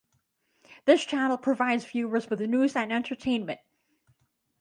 This channel provides viewers with news and entertainment.